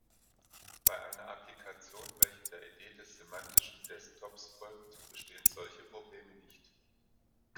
Bei einer Applikation, welche der Idee des Semantischen Desktops folgt, bestehen solche Probleme nicht.